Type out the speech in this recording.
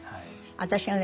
私がね